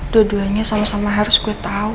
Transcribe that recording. dua duanya sama sama harus gue tahu